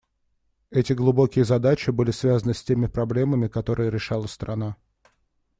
Эти глубокие задачи были связаны с теми проблемами, которые решала страна.